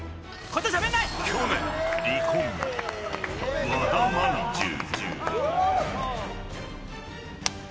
去年、離婚和田まんじゅう。